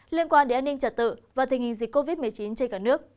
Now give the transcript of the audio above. liên quan đến an ninh trật tự và tình hình dịch covid một mươi chín trên cả nước